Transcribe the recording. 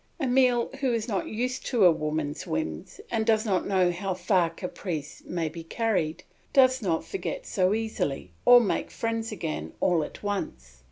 Emile, who is not used to a woman's whims, and does not know how far caprice may be carried, does not forget so easily or make friends again all at once.